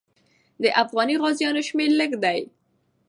د افغاني غازیانو شمېر لږ دی.